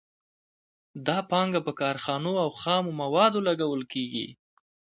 دا پانګه په کارخانو او خامو موادو لګول کېږي